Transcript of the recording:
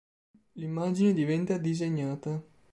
L'immagine diventa disegnata.